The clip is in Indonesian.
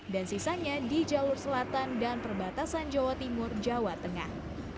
dan sisanya di jalur selatan dan perbatasan jawa timur jawa tengah